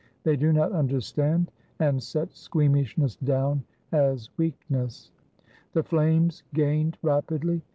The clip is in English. They do not understand, and set squeamishness down as weakness. m The flames gained rapidly.